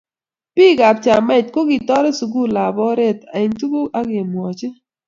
Biik ab chamait kokitoret sukul ab oret eng tukuk ak kemwochi